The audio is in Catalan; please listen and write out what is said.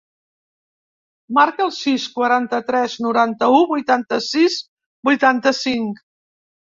Marca el sis, quaranta-tres, noranta-u, vuitanta-sis, vuitanta-cinc.